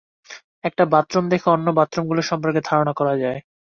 একটা বাথরুম দেখে অন্য বাথরুমগুলি সম্পর্কে ধারণা করা যায়।